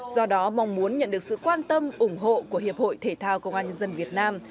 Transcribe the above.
do đó mong muốn nhận được sự quan tâm ủng hộ của hiệp hội thể thao công an nhân dân việt nam